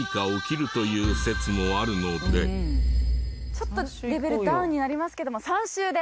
ちょっとレベルダウンになりますけども３周で。